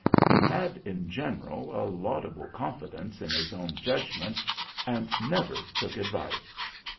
He had in general a laudable confidence in his own judgment, and never took advice.